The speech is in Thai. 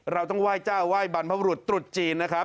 เราต้องไหว้เจ้าไหว้บรรพบรุษตรุษจีนนะครับ